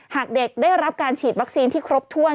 หากเด็กได้รับการฉีดวัคซีนที่ครบถ้วน